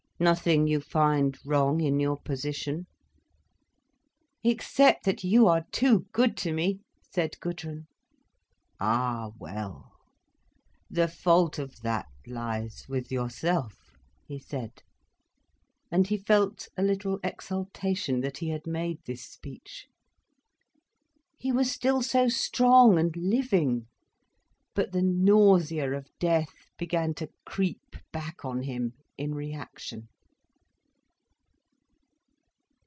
—nothing you find wrong in your position?" "Except that you are too good to me," said Gudrun. "Ah, well, the fault of that lies with yourself," he said, and he felt a little exultation, that he had made this speech. He was still so strong and living! But the nausea of death began to creep back on him, in reaction.